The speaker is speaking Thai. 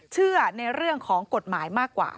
เชื่อในเรื่องของกฎหมายมากกว่า